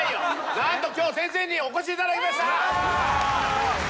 何と今日先生にお越しいただきました。